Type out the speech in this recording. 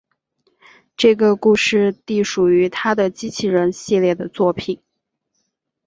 这个故事隶属于他的机器人系列的作品。